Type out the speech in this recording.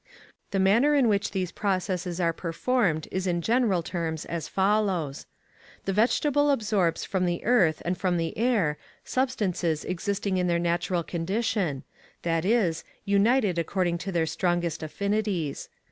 The manner in which these processes are performed is in general terms as follows: The vegetable absorbs from the earth and from the air substances existing in their natural condition that is, united according to their strongest affinities.